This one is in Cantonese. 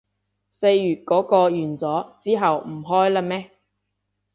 四月嗰個完咗，之後唔開喇咩